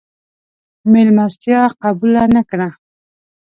مېلمستیا قبوله نه کړه.